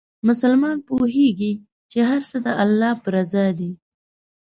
مسلمان پوهېږي چې هر څه د الله په رضا دي.